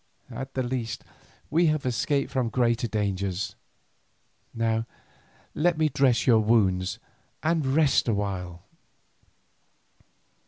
At the least we have escaped from greater dangers. Now let me dress your wounds and rest awhile."